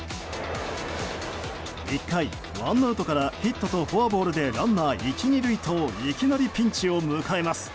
１回、ワンアウトからヒットとフォアボールでランナー１、２塁といきなりピンチを迎えます。